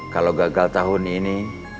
kalau gagal tahun ini